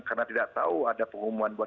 karena tidak tahu ada pengumuman buat